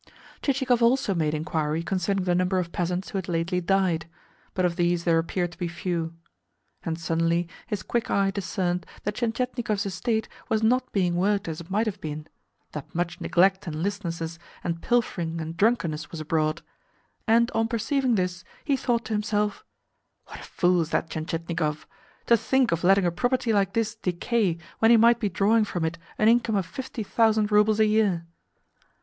Chichikov also made inquiry concerning the number of peasants who had lately died: but of these there appeared to be few. And suddenly his quick eye discerned that Tientietnikov's estate was not being worked as it might have been that much neglect and listlessness and pilfering and drunkenness was abroad; and on perceiving this, he thought to himself: "What a fool is that Tientietnikov! To think of letting a property like this decay when he might be drawing from it an income of fifty thousand roubles a year!"